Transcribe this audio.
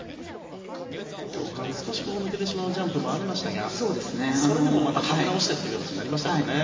後半、少し抜けてしまうジャンプもありましたがそれでもまた立て直してとなりましたもんね。